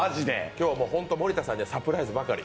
今日は本当に、森田さんにはサプライズばかり。